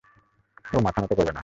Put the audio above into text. ও মাথা নত করবে না!